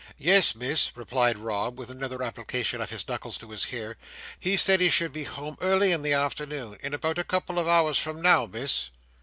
"Yes, Miss," replied Rob, with another application of his knuckles to his hair. "He said he should be home early in the afternoon; in about a couple of hours from now, Miss."